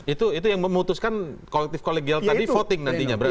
itu yang memutuskan kolektif kolegial tadi voting nantinya berarti